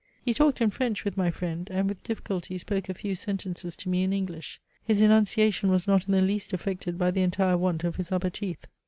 He talked in French with my friend, and with difficulty spoke a few sentences to me in English. His enunciation was not in the least affected by the entire want of his upper teeth.